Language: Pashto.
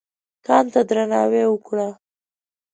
کان ته درناوی وکړه.